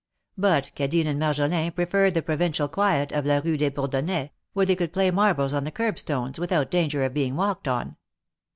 But Cadine and Marjolin preferred the provincial quiet of la Kue des Bourdon nais, where they could play marbles on the curb stones without danger of being walked on.